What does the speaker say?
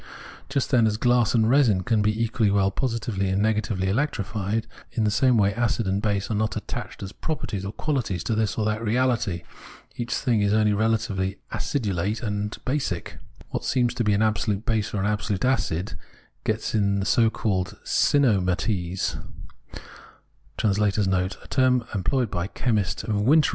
Just then as glass and resin can be equally well positively as negatively electrified, in the same way acid and base are not attached as properties or quaUties to this or that reahty ; each thing is only relatively acidulate and basic ; what seems to be an absolute base or an absolute acid gets in the so called Synsomates* the opposite sig nificance to another.